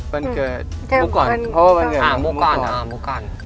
วันเกิดมุกก่อน